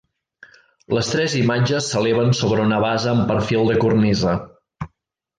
Les tres imatges s'eleven sobre una base amb perfil de cornisa.